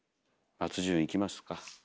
松潤いきますか。ね！